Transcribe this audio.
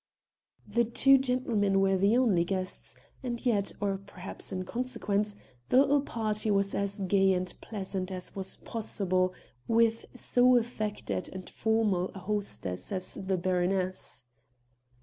The two gentlemen were the only guests, and yet or perhaps in consequence the little party was as gay and pleasant as was possible with so affected and formal a hostess as the "Baroness."